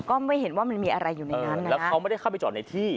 ก็ไม่เห็นว่ามันมีอะไรอยู่ในนั้นแล้วเขาไม่ได้เข้าไปจอดในที่